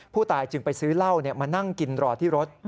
ผู้ตายจึงไปซื้อเหล้ามานั่งกินรอที่รถ